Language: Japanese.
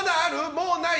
もうない？